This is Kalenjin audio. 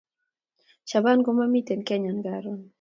Shabana ko mamiten kenya karon